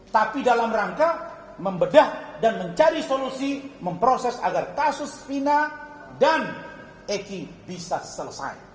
tapi dalam rangka membedah dan mencari solusi memproses agar kasus vina dan eki bisa selesai